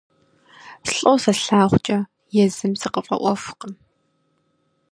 Слӏо сэ слъагъукӏэ, езым сыкъыфӏэӏуэхукъым…